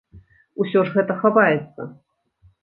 Усё ж гэта хаваецца!